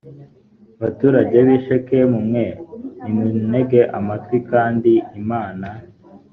baturage b i shekemu mwe nimuntege amatwi kandi imana